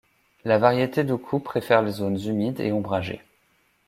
La variété duku, préfère les zones humides et ombragées.